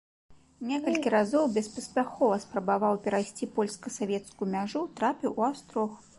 Некалькі разоў беспаспяхова спрабаваў перайсці польска-савецкую мяжу, трапіў у астрог.